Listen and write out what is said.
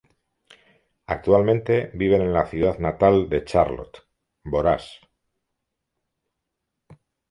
Actualmente viven en la ciudad natal de Charlotte, Borås.